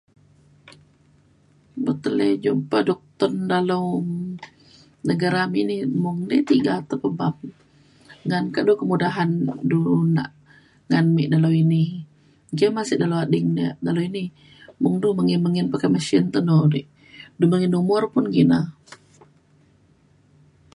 betul ek jumpa duktun dalem negara me ini mung be tiga te ke mpam ngan kado kemudahan du nak ngan me dalau ini ja masa dalau ading le dalau ini meng du mengin mengin pakai machine te do re du mengin nombor pun kina